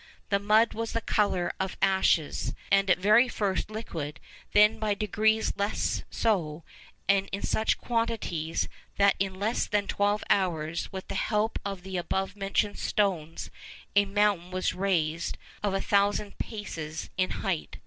The mud was of the colour of ashes, and at first very liquid, then by degrees less so; and in such quantities that in less than twelve hours, with the help of the above mentioned stones, a mountain was raised of a thousand paces in height.